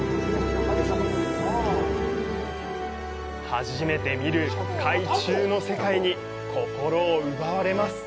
初めて見る海中の世界に心を奪われます！